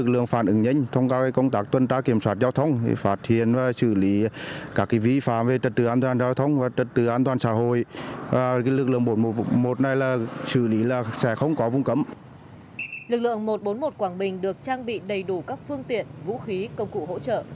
lực lượng một trăm bốn mươi một quảng bình được trang bị đầy đủ các phương tiện vũ khí công cụ hỗ trợ